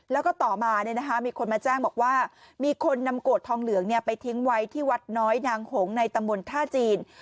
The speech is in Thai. แล้วก็ต่อมามีคนมาแจ้งบอกว่ามีคนนำโกรธทองเหลืองไปทิ้งไว้ที่วัดน้อยนางหงในตำบลท่าจีน